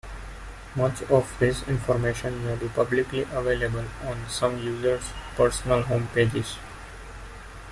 Much of this information may be publicly available on some users' personal home pages.